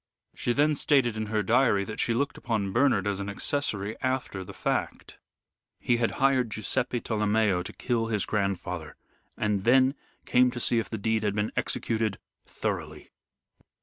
She then stated in her diary that she looked upon Bernard as an accessory after the fact. He had hired Guiseppe Tolomeo to kill his grandfather, and then came to see if the deed had been executed thoroughly.